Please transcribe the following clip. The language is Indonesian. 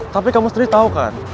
tapi kamu sendiri tahu kan